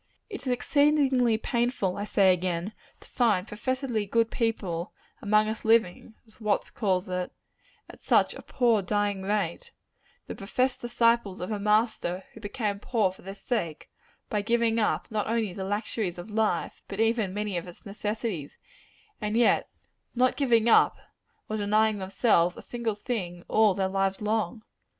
It is exceedingly painful, I say again, to find professedly good people among us living, as Watts calls it, at such a poor, dying rate; the professed disciples of a Master who became poor for their sakes, by giving up, not only the luxuries of life, but even many of its necessaries and yet not giving up or denying themselves a single thing all their lives long.